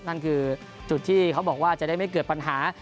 นั่นคือจุดที่เขาบอกว่าจะได้ไม่เกิดปัญหา